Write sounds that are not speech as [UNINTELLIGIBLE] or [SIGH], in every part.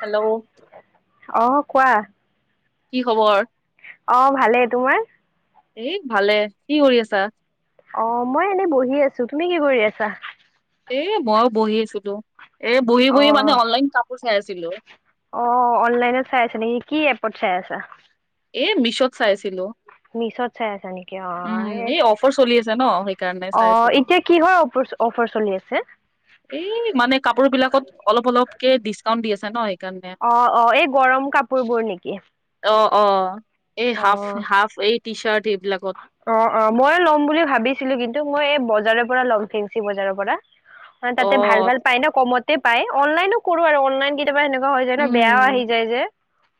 Hello? অঁ কোৱা? কি খবৰ? অ ভালে, তোমাৰ? এ ভালে, কি কৰি আছা? অ, মই এনেই বহি আছো, তুমি কি কৰি আছা? এ মইও বহি আছিলো, এ বহি - বহি মানে অ' অনলাইন কাপোৰ চাই আছিলো। অ অনলাইনে চাই আছা নেকি? কি এপত চাই আছা? এ মিছত চাই আছিলো। মিছত চাই আছা নেকি? অ এ উম এই অফাৰ চলি আছে ন সেইকাৰণে। অ, চাই আছিলো। এতিয়া কিহৰ অফৰচ অফাৰ চলি আছে? এই মানে কাপোৰবিলাকত অলপ অলপকে ডিচকাউণ্ট দি আছে ন সেইকাৰণে। অ অ, এই গৰম কাপোৰবোৰ নিকি? অ অ, এই হাফ হাফ এই টি চাৰ্ট এইবিলাকত। অ অ, মই ল'ম বুলি ভাবিছিলো কিন্তু মই এই বজাৰৰ পৰা ল'ম, ফেন্সি বজাৰৰ পৰা। হেন অ তাতে ভাল ভাল পায় ন কমতে পায়, অনলাইনো কৰো আৰু অনলাইন কি কেতিয়াবা এনেকুৱা হৈ যায় ন বেয়াও আহি উম যায় যে,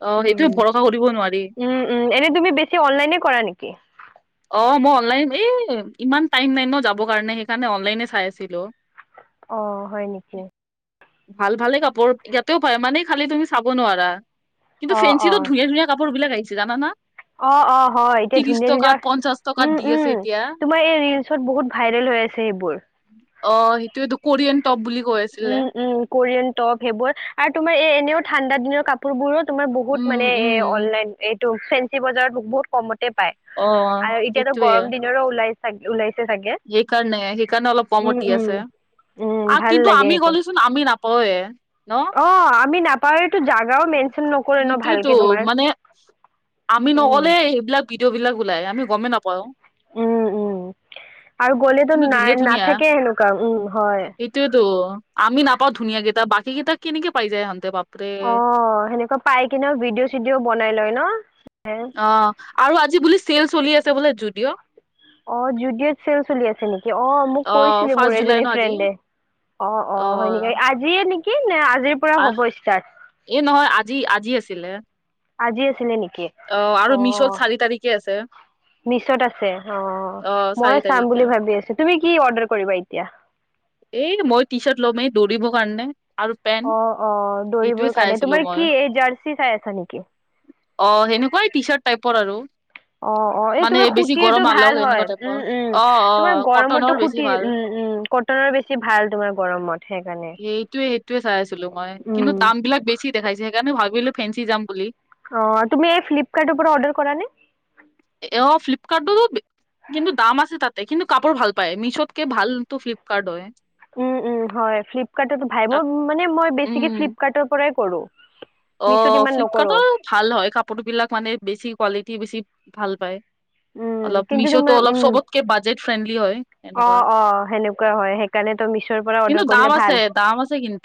অ উম সেইটোয়ে ভৰসা কৰিব নোৱাৰি। উম। উম, এনে তুমি বেছি অনলাইনে কৰা নেকি? অ মই অনলাইন, এ ইমান টাইম নাই ন যাবৰ কাৰণে সেইকাৰণে অনলাইনে চাই আছিলো। অ হয় নেকি? ভাল ভালে কাপোৰ ইয়াতেও পায় মানে খালি তুমি চাব নোৱাৰা। অ কিন্তু অ ফেঞ্চিতো ধুনীয়া - ধুনীয়া কাপোৰবিলাক আহিছে জানা না? অ অ হয়, এতিয়া ধুনীয়া ধুনীয়াৰ পঞ্চাশ টকাত উম দি আছে উম, এতিয়া অ তোমাৰ এই ৰিলচত বহুত ভাইৰেল হৈ আছে সেইবোৰ। অ সেইটোৱেটো কৰিয়ান টপ বুলি কৈ আছিলে উম উম কৰিয়ান টপ সেইবোৰ আৰু তোমাৰ এ এনেও ঠাণ্ডা দিনৰ কাপ পোৰবোৰো তোমাৰ বহুত উম মানে এ উম অনলাইন এইটো ফেঞ্চি বজাৰত বহুত কমতে পায়। অ আৰু এতিয়াতো সেইটোয়ে গৰম দিনৰো ওলাই চা ওলাইছ এইকাৰণে সেইকাৰণে অলপ কমত দি উম আছে উম আ ভাল কিন্তু আ লাগে মি সেইটো গ'লোচোন আমি নাপাওঁৱে ন? অ, আমি নাপাওঁ এইটো জাগাও মেনচন নকৰে ন সেইটোয়েতো ভালকে তোমাৰ। মানে আমি উম নগলে সেইবিলাক ভিডিঅ'বিলাক ওলাই, আমি গমেই নাপাওঁ। উম উম আৰু গ'লেতো কিন্তু নাই নাথাকে সেনেকুৱা, উম হয়। সিটোয়েতো, আমি নাপাওঁ ধুনীয়াকেইটা বাকীকেইটাক কেনেকে পাই যায় সিহঁতে পা অ, সেনেকুৱা পাই কিনেও ভিডিঅ' - চিডিঅও বনাই লয় ন, [UNINTELLIGIBLE] অ আৰু আজি বুলি চেল চলি আছে বোলে যুডিঅ'। অ জুদিঅত চেল চলি আছে নেকি? অ মোক কৈছিলে ফাৰ্ষ্ট মোৰ জুলাই ন এজনী আজি ফ্ৰেণ্ডে। অ অ হয় নেকি? আজিয়ে নেকি নে আজিৰ পৰা হ'ব ষ্টাৰ্ট? এ নহয়, আজি আজি আছিলে। আজি আছিলে নেকি অ আৰু মিছত চাৰি তাৰিখে আছে। মিছত আছে অ, অ মই চাৰি চাম তাৰিখে বুলি ভাবি আছো, তুমি কি অৰ্ডাৰ কৰিবা এতিয়া? এই মই টি চাৰ্ট ল'মেই দৌৰিব কাৰণে। আৰু পেন্ট অঁ-অঁ! সেইটোয়ে দৌৰিবৰ চাই কাৰণে। আছিলো তোমাৰ মই কি এই জাৰ্চি চাই আছা নেকি? অ! সেনেকুৱাই টি চাৰ্ট টাইপৰ আৰু। অ-অ! এই মানে তোমাৰ বেছি গৰম সুটিৰটো নালাগক ভাল হয়। এনেকুৱা টাইপৰ উম-উম! অ অ তোমাৰ কটনৰ গৰমতো সু বেছি সুটিৰ। ভাল উম-উম! কটনৰ বেছি ভাল তোমাৰ গৰমত। সেইকাৰণে সেইটোৱে-সেইটোৱে চাই আছিলো মই। কিন্তু উম। দাম বিলাক বেছি দেখাইছে সেইকাৰণে ভাবিলোঁ ফেঞ্চি যাম বুলি। অঁ! তুমি এই ফ্লিপকাৰ্টৰ পৰা অৰ্ডাৰ কৰা নে? অঁ! ফ্লিপকাৰ্ডটো তো কিন্তু দাম আছে তাতে কিন্তু কাপোৰ ভাল পায়। মিছোত কে ভালটো ফ্লিপকাৰ্ট হয়। উম-উম! হয় ফ্লিপকাৰ্টো ভাই তাত মোৰ মানে মই বেছিকে ফ্লিপকাৰ্টৰ পৰাই কৰোঁ। অঁ! ফ্লিপকাৰ্টৰ ভাল হয়। কাপোৰ বিলাক মানে বেছি কোৱালিটি বেছি ভাল পায়। উম অলপ, কিন্তু মিছতো তোমাৰ অলপ চবতকে বাজেট ফ্ৰেণ্ডলি হয়। এনেকুৱা অঁ-অঁ! সেনেকুৱা হয় সেইকাৰণেতো মিছৰ পৰা কিন্তু অৰ্ডাৰ দাম কৰিলে আছে ভাল। দাম আছে কিন্তু।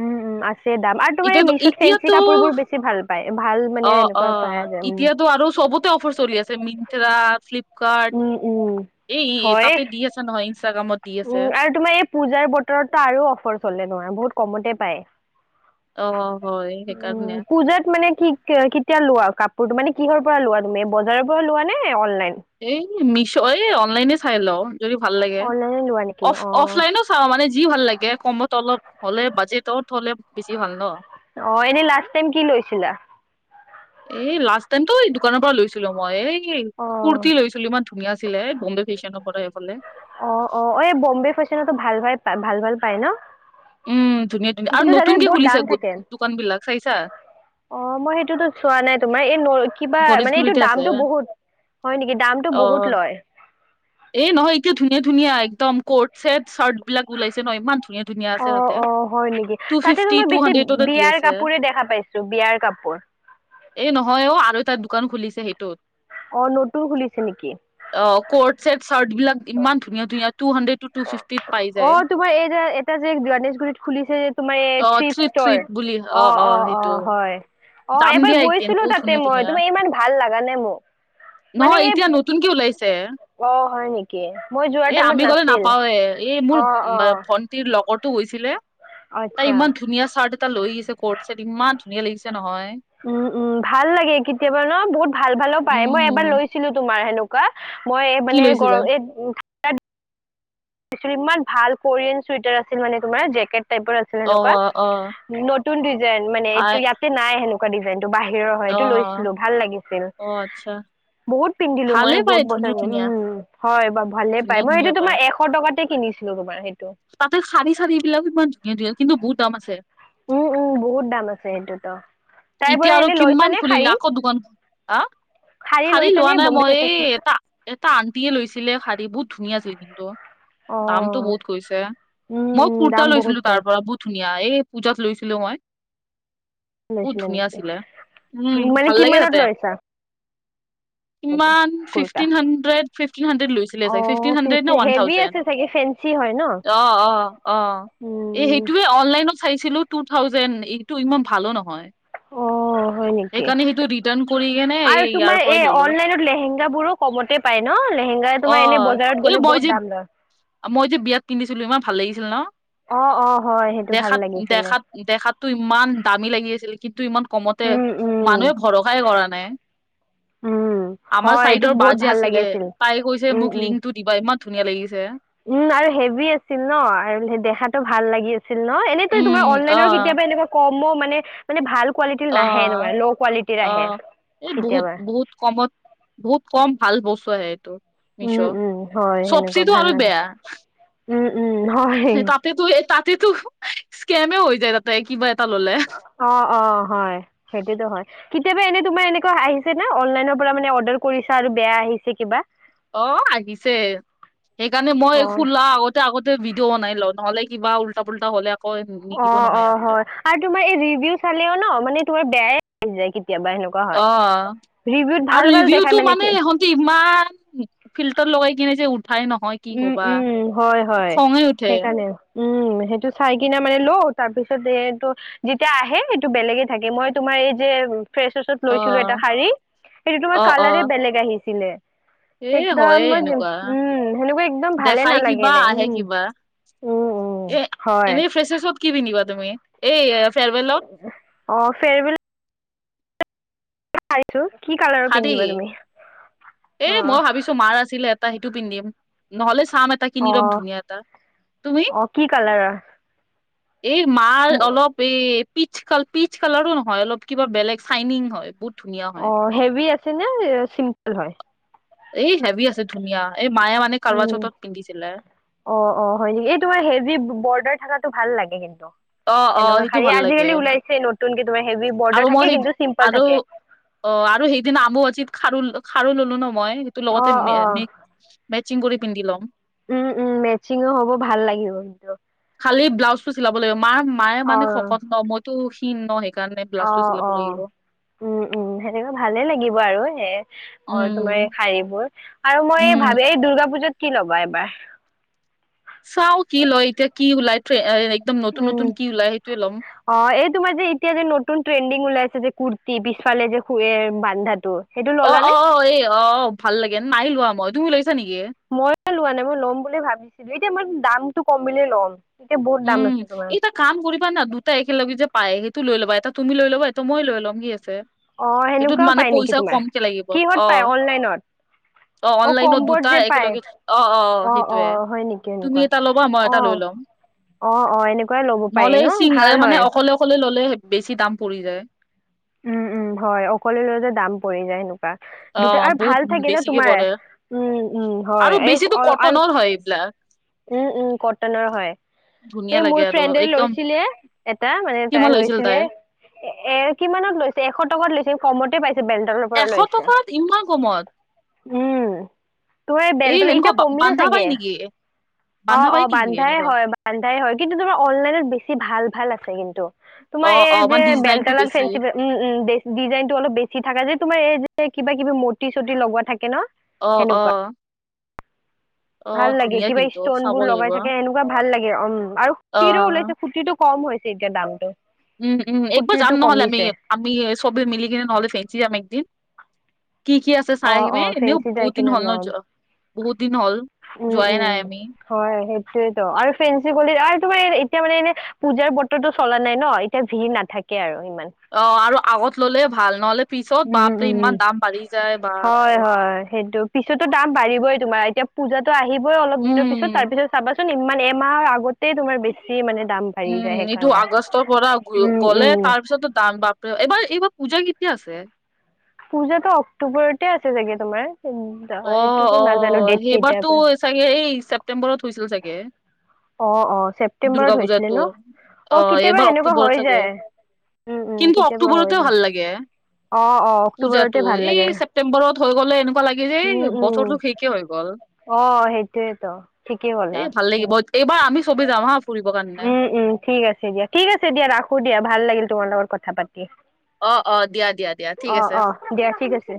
উম-উম! আছে দাম। আৰু তোমাৰ এই এতিয়াতো মিছত এতিয়াতো ফেঞ্চি কাপোৰবোৰ বেছি বেছি ভাল পায়। ভাল মানে এনেকুৱা পায় যে উম। ত আৰু চবতে অফাৰ চলি আছে মিনট্ৰা, ফিলিপকাৰ্ট। উম উম এই-এই তাতে হয় দি [UNINTELLIGIBLE] নহয় ইনষ্টাগ্ৰামত। দি আছে উম! আৰু তোমাৰ এই পূজাৰ বতৰতো আৰু অফাৰ চলে নহয় বহুত কমতে পায়। অ হয় সেইকাৰণে উম! পূজাত মানে কি-কি কেতিয়া লোৱা কাপোৰটো মানে কিহৰ পৰা লোৱা তুমি বজাৰৰ পৰা লোৱা নে অনলাইন? এই মিছৰ এই অনলাইনে চাই লওঁ যদি ভাল লাগে। অনলাইনে লোৱা নেকি অ অফ-অফলাইন চাওঁ মানে যি ভাল লাগে কমত অলপ হ'লে বাজেটত হ'লে বেছি ভাল ন। অঁ! এনেই লাষ্ট টাইম কি লৈছিলা? এই লাষ্ট টাইমটো এই দোকানৰ পৰা লৈছিলোঁ মই। এই অ কুৰ্তি লৈছিলোঁ ইমান ধু ধুনীয়া আছিলে এ বম্বে ফেশ্যনৰ পৰা এইফালে। অ-অ! এই বম্বে ফেশ্বনতো ভাল-ভাল [UNINTELLIGIBLE] ভাল-ভাল পায় ন? উম! ধুনীয়া-ধুনীয়া। কিন্তু আৰু তাতে নতুনকে বহুত খুলিছে দাম গ থাকে। দোকান বিলাক চাইছা? অ! মই সেইটোতো চোৱা নাই তোমাৰ এই ন কিবা মানে এইটো গণেশগুৰিতে আছে দামটো বহুত হয় নেকি দামটো বহুত লয়। এ নহয় এতিয়া ধুনীয়া-ধুনীয়া একদম ক'ৰ্ট চেট, চাৰ্ট বিলাক ওলাইছে নহ ইমান ধুনীয়া ধুনীয়া আছে তাতে অঁ-অঁ! হয় নেকি? টু তাতেতো ফিফটি মই টু বেছি হাণ্ড্ৰেডতে দি বিয়াৰ আছে কাপোৰে দেখা পাইছো বিয়াৰ কাপোৰ। এই নহয় অ আৰু এটা দোকান খুলিছে সেইটোত। অঁ! নতুন খুলিছে নেকি? অ! কৰ্ট ছেট চাৰ্ট বিলাক ইমান ধুনীয়া-ধুনীয়া টু হাড্ৰেণ্ডত টু ফিফটিত পাই যায়। অঁ! তোমাৰ এই যে এটা যে গণেশগুৰিত খুলিছে যে অ তোমাৰ থ্ৰেইফ থ্ৰিপ ষ্টৰ। থ্ৰিপ বুলি অ অ অঁ-অঁ-অঁ! সেইটো হয়। অঁ! যাম এবাৰ দিয়া একদিন গৈছিলো বহুত তাতে ধুনীয়া মই ধুনীয়া তোমাৰ ইমান ভাল লগা নাই মোৰ। নহয় এতিয়া নতুনকে ওলাইছে। অ! হয় নি? [UNINTELLIGIBLE] মই যো এ আমি গ'লে নাপাওঁৱেই এই মোৰ অ ভন্টিৰ লগতো গৈছিলে তাই আচ্ছা ইমান ধুনীয়া চাৰ্ট এটা লৈ আহিছে কৰ্ট ছেট ইমান ধুনীয়া লাগিছে নহয়। উম-উম! ভাল লাগে কেতিয়াবা ন। বহুত ভাল ভালো পায় মই এবাৰ উম লৈছিলো তোমাৰ হেনো। কোৱা মই এই কি মানে লৈছিলা গৰম এই উ। ইমান ভাল কোৰিয়ান চুৱেটাৰ আছিল মে তোমাৰ জেকট টাইপৰ আছিল। অ অ সেনেকুৱা নতুন ডিজাইন মানে ভাই এইটো ইয়াতে নাই সেনেকুৱা ডিজাইন টো বাহিৰৰ হয় অ এইটো লৈছিলোঁ ভাল লাগিছিল। অ আচ্ছা বহুত পিন্ধিলোঁ ভালে মই পায় বহুত ধুনীয়া বছৰ ধুনীয়া হয় ব ভালে পায় ধুনীয়া মই ধুনীয়া সিটো তোমাৰ এ। এশ টকাতে কিনিছিলোঁ তোমাৰ সেইটো। তাতে হাৰি চাৰী বিলাকো ইমান ধুনীয়া ধুনীয়া কিন্তু বহুত দাম আছে। উম উম বহুত দাম আছে সেইটোতো। তাইৰ এতিয়া পৰা আৰু এনে লৈছা কিমান নে খুলিলে শাৰী আকৌ দোকানখন হ শাৰী লৈছা লোৱা নে নাই বম্বে মই ফেশ্বন এই এটা। এটা আন্তি এ লৈছিলে শাৰী বহুত ধুনীয়া আছিল কিন্তু। অ দামটো বহুত কৈছে উম মই উম দাম কুুৰ্তা বহুত লৈছিলো কয় তাৰ পৰা বহুত। ধুনীয়া এই পূজাত লৈছিলোঁ মই। বহুত লৈছিলা ধুনীয়া নেকি আছিলে উম মানে ভাল লাগে কিমানত তাতে। লৈছা সেইটো ইমান kurta fifteen hundred fifteen hundred লৈছিলে অ চাগে ফিফটিন হাড্ৰেড নে ওৱান হেভি আছে চাগে ফেঞ্চি হয় ন থাউজেণ্ড। অ অ অ এই উম, সেইটোয়ে অনলাইনত। চাইছিলোঁ টু থাউজেণ্ড এইটো ইমান ভালো নহয়। অ হয় নেকি সেইকাৰণে সেইটো ৰিটাৰ্ণ কৰি কেনে এই আৰু ইয়াৰ তোমাৰ পৰাই এ ললো অনলাইনত লেহেংগাবোৰো। কমতে পায় ন লেহেংগা অ তোমাৰ এনে বজাৰত এই গ'লে মই বহুত যে দাম লয়। মই যে বিয়াত পিন্ধিছিলোঁ ইমান ভাল লাগিছিল ন। অ অ হয়। সেইটো ভাল দেখাত লাগিছিলে। দেখাত দেখাতো ইমান দামী লাগি আছিল কিন্তু ইমান। কমতে উম উম মানুহে ভৰসাই কৰা নাই। উম আমাৰ হয় এইটো চাইডৰ বা বহুত জে ভাল লাগি আছিলে আছিল। তাই কৈছে উম মোক উম। লিংকটো। দিবা ইমান ধুনীয়া লাগিছে। উম আৰু হেভি আছিল ন আৰু দেখাটো ভাল লাগি আছিল। আছিল ন এনেতো তোমাৰ উম অ অনলাইনৰ কেতিয়াবা এনেকুৱা কমো মানে। মানে ভাল কোৱালিটিৰ অ নাহে এনেকুৱা ল' কোৱালিটিৰ অ আহে এই বহুত কেতিয়াবা। বহুত কমত। বহুত কম ভাল বস্তু আহে এইটো উম মিছৰ উম হয় সেনেকুৱা চবজিটো ভাল আৰু নালাগে। বেয়া। উম উম হয়। ত তাতেতো স্কোমে হৈ যায় তাতে কিবা। এটা ললে অ', অ, হয়। সেইটোতো হয়। কেতিয়াবা এনে তোমাৰ এনেকুৱা আহিছে না অনলাইনৰ পৰা মানে অৰ্ডাৰ কৰিছা আৰু বেয়া আহিছে কিবা। অ আহিছে সেইকাৰণে মই অ', খোলা আগত। আগতে ভিডিঅ বাই লওঁ নহ'লে কিবা উল্টা পুল্টা হ'লে আকৌ নিদগিব অ', নহয় অ', ইনতে। হয় আৰু তোমাৰ এই ৰিভিউ চালেও ন মানে তোাৰ বেয়াই যায় কেতিয়াবাহেনু। অ আৰু দেখাই ৰিভিউটো মানে কি হ'ল। ইমান ফিল্টাৰ লগাই কিনে যে উঠাই নহয়। কি উম কবা উম হয় হয় খঙে উঠে সেইকাৰণে। উম', সেইটো চাই কিনে মানে লও তাৰ পিছত এইটো। যেতিয়া আহে সেইটো বেলেগে থাকে মই তোমাৰ এই যে। ফ্ৰেচাছত লৈছিলোঁ এটা অ' শাড়ী সেইটো তোমাৰ অ' কালাৰে অ' বেলেগ আহিছিলে। এ একদম হয়ে মজ এনেকুৱা উম। সেনেকুৱা একদম ভালে দেখাই কিবা নালাগিলে আহে উম কিবা উম উম এ হয়। এনেই ফ্ৰেচাৰ্ছত কি পিন্ধিবা তুমি এই ফেৰৱেল ল-। অ', ফেৰ বিল। আইছো কি কালত। খাদী এ মই ভাবিছো মাৰ আছিলে। সেইটো পিন্ধিম নহ'লে চাম এটা কিনি অ ৰম ধুনীয়া এটা তুমি। অ কি কালাৰৰ এই মাৰ অলপ এই। পিচ কাল পিচ কালাৰো নহয় অলপ কিবা বেলেগ চাইনিং হয়। ধুনীয়া অ হয় হেভি আছে নে চিম্পল হয়। এই হেভি আছে ধুনীয়া এই মায়ে মানে কালুৱা উম চতত পিন্ধিছিলে। অ অ হয় নেকি এই তোমাৰ হেভি বৰ্ডাৰ থকাটো ভাল লাগে কিন্তু। অ অ সেনেকুৱা সেইটো শাৰী ভাল লাগে আজিকালি ওলাইছে নতুনকে তোমাৰ হেভি আৰু বৰ্ডাৰ মই থাকে সেই কিন্তু চিম্পল আৰু থাকে। অ আৰু সেইদিনা আম্বুুৱজিত খাৰু খাৰু ললো ন মই সেইটো অ লগতে অ ম। মেচিং কৰি পিন্ধি ল'ম। উম উম মেচিঙো হ'ব ভাল লাগিব কিন্তু। খালি ব্লাউজ টো চিলাব লাগিব মাৰ মায়ে অ মানে শকত ন মইতো সিন ন সেই। অ বিলাউছটো চিলাব অ। লাগিব। উম উম সেনেকে ভালে লাগিব আৰু সে। অ', তোমাৰ এই উম শাৰীবোৰ আৰু মই উম ভাবি এই দুূৰ্গা পুজাত কি ল'বা এবাৰ চাও কি লয় এতিয়া কি ওলাই একদম নতুন উম নতুন কি ওলাই সেইটোয়ে ল'ম। অ এই তোমাৰ যে এতিয়া যে নতুন ট্ৰেণ্ডিং ওলাইছে যে কুৰ্তি পিছফালে যে শোৱে বান্ধাটোৰ। অ অ অ এই অ ভাল লাগে নাই লোৱা মই তুমি ওলাইছা নেকি? মই লোৱা নাই মই ল'ম বুলি ভাবিছিলো এতিয়া মানে দামটো কমিলে ল'ম। তেতিয়া বহুত দাম উম, আছে তোমাৰ। এটা কাম কৰিবা না দুটাই একেলগে যে পায় সেইটো লৈ লবা এটা তুমি লৈ ল'ব এটো মই লৈ ল'ম কি আছে। অ এইটোত সেনেকুৱাও মানে পাই নেকি পইচা তোমাৰ কমকে লাগিব কিহত অ। পায় অনলাইনত অ অনলাইনত কম্বত দুটাই যে পায় একেলগে অ অ অ সেইটোয়ে হয় নেকি তুমি। এনেকুৱা এটা ল'বা মই অ এটা লৈ ল'ম। অ অ এনে। নহলে চিং মানে অকলে অকলে ললে বেছি দাম পৰি যায়। উম উম হয় অকলে লৈ যে দাম পৰি যায় সেনেকুৱা দুটা অ', আৰু বহুত ভাল থাকে ন বেছিকে তোমাৰে। পৰে। উম উম হয় আৰু এই বেছিতো অ আৰু কটনৰ হয় এইবিলাক উম উম কটনৰ হয়। ধুনীয়া এই লাগে মোৰ আৰু ফ্ৰেণ্ডে একদম লৈছিলে, এটা মানে কিমান তাই লৈছিল লৈছিলে। তাইৰ এ, এ, কিমানত লৈছে? এশ টকাত লৈছে। কমতে পাইছে ব্ৰেণ্ডৰ এশ টকাত, ইমান কমত? উম' তোৰ এই ব্ৰেণ্ডৰ সেনেকুৱা এতিয়া কমিল বান্ধা চাগে, পাই নেকি? বান্ধা অ', পাই অ' নেকি বান্ধাই এনেকুৱা? হয় বন্ধাই হয় কিন্তু তোমাৰ অনলাইনত বেছি ভাল ভাল আছে কিন্তু, তোমাৰ অ এই অ যে মান ডিজাইনটো বেলতলাৰ ফে বেছি। উম', উম' ডি ডিজাইনটো অলপ বেছি থাকে যে তোমাৰ এই যে কিবা -কিবি ৰ্মূৰ্টী- চূৰ্টী লগোৱা থাকে ন? অ', অ'। সেনেকুৱা অ ভাল লাগে, ধুনীয়া কিবা কিন্তু ষ্টন চাব বোৰ লাগিব। লগাই থাকে এনেকুৱা ভাল লাগে। উম' আৰু অ কুৰ্টীৰো ওলাইছে কুৰ্টীটোক কম হৈছে এতিয়া দামটো, উম', উম' একবাৰ খুটিৰটো যাম নহ'লে আমি কমিছে আমি চবেই মিলি কিনে নহ'লে ফেন্সী যাম একদিন কি কি আছে অ চাই অ আহিমে এনেও ফেঞ্চি যাই বহুত দিন কিনে হ'ল ন, ল'ম যোৱা বহুত দিন হ'ল উম যোৱাই উম নাই আমি হয়', সেইটোয়েতো আৰু ফেন্সী গ'লে আৰু তোমাৰ এতিয়া মানে, এনে পূজাৰ বতৰতটো চলা নাই ন, এতিয়া ভিৰ নাথাকে আৰু ইমান। অ' আৰু আগত ল'লে ভাল, নহলে পিছত উম বাপৰে উম ইমান দাম বাঢ়ি যায় হয় বাপৰে! হয়', সেইটো পিছতো দাম বাঢ়িবই তোমাৰ এতিয়া পূজাতো আহিবই অলপ দিনৰ পিছত তাৰ উম পিছত চাবাচ চোন ইমান এমাহৰ আগতেই তোমাৰ বেছি মানে দাম বাঢ়ি যায় উম', এইটো সেইকাৰণে আগষ্টৰ পৰা গ উম গ'লে উম তাৰ পিছতে দাম বাপ ত', এইবাৰ এইবাৰ পূজা কেতিয়া আছে? পূজাতো অক্টোবৰতে আছে চাগে তোমাৰ, উম অ', অ', সেইবাৰতো চাগে এই ছেপ্তেম্বৰত হৈছিল চাগে? অ অ ছেপ্তেম্বৰত দুৰ্গা হৈছিলে ন পূজাতো, অ' কেতিয়াবা এইবাৰ সেনেকুৱা অক্টোবৰ হৈ চাগে? যায় উম উম কিন্তু কেতিয়াবা হৈ অক্টোবৰতে যায় ভাল লাগে। অ অ অক্টোবৰতে পূজাতো, ভাল এই লাগে ছেপ্তেম্বৰত হৈ গ'লে এনেকুৱা লাগে যে উম এই উম বছৰটো শেষে হৈ গ'ল, অ সেইটোয়েতো ঠিকেই এই ক'লা ভা ভাল উম লাগিব। এইবাৰ আমি চবে যাম হা ফুৰিব কাৰণে। উম উম ঠিক আছে দিয়া, ঠিক আছে দিয়া ৰাখো দিয়া ভাল লাগিল তোমাৰ লগত কথা পাতি। অ' অ', দিয়া, দিয়া, দিয়া, ঠিক অ আছে। অ দিয়া ঠিক আছে।